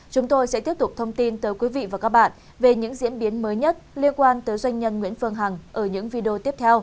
chúng tôi sẽ tiếp tục thông tin tới quý vị và các bạn về những diễn biến mới